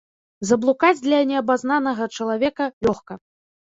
Заблукаць для неабазнанага чалавека лёгка.